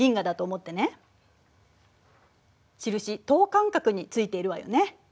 印等間隔についているわよね。